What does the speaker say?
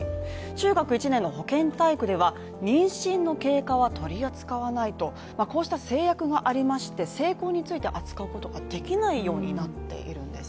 中学１年の保健体育では、妊娠の経過は取り扱わないとこうした制約がありまして性交について扱うことができないようになっているんです